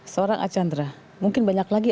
seorang archandra mungkin banyak lagi